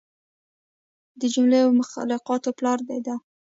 د جمله و مخلوقاتو پلار دى دا.